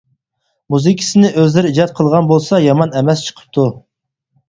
مۇزىكىسىنى ئۆزلىرى ئىجاد قىلغان بولسا يامان ئەمەس چىقىپتۇ.